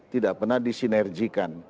tidak pernah disinerjikan